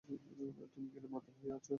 তুমি কি মাতাল হয়ে আছো?